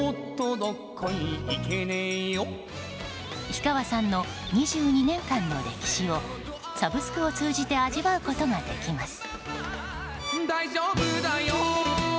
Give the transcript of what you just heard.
氷川さんの２２年間の歴史をサブスクを通じて味わうことができます。